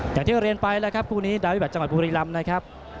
อย่างที่เรียนไปแล้วครับคู่นี้ดาวิบัติจังหวัดบุรีรำนะครับ